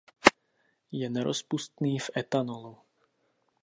Je nerozpustný v ethanolu.